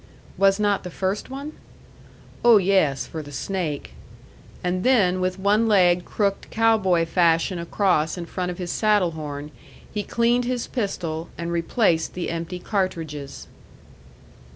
"Was not the first one?" "Oh, yes, for the snake." And then, with one leg crooked cow boy fashion across in front of his saddle horn, he cleaned his pistol, and replaced the empty cartridges.